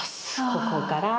ここから。